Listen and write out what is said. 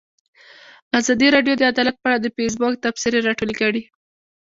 ازادي راډیو د عدالت په اړه د فیسبوک تبصرې راټولې کړي.